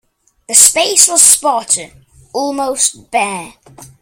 The space was spartan, almost bare.